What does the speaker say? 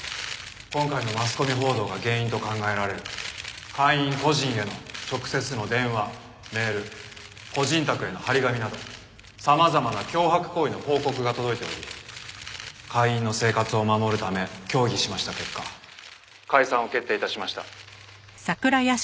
「今回のマスコミ報道が原因と考えられる会員個人への直接の電話メール個人宅への貼り紙など様々な脅迫行為の報告が届いており会員の生活を守るため協議しました結果解散を決定致しました」